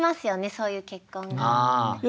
そういう結婚が。